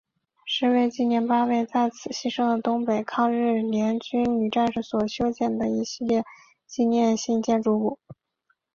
是为纪念八位在此牺牲的东北抗日联军女战士所修建的一系列纪念性建筑物。